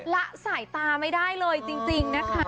ละสายตาไม่ได้เลยจริงนะคะ